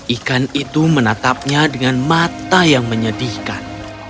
ikan itu menatapnya dengan mata yang menyedihkan